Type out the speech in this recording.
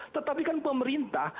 tetapi kan pemerintah